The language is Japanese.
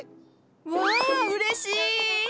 わうれしい！